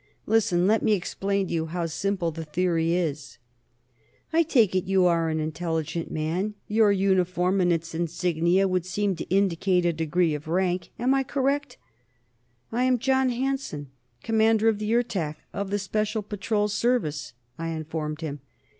Listen! Let me explain to you how simple the theory is. "I take it you are an intelligent man; your uniform and its insignia would seem to indicate a degree of rank. Am I correct?" "I am John Hanson, Commander of the Ertak, of the Special Patrol Service," I informed him.